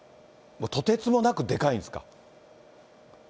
とてつもなくでかいんですか？